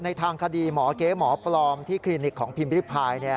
ทางคดีหมอเก๊หมอปลอมที่คลินิกของพิมพิพาย